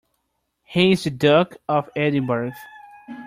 He is the Duke of Edinburgh.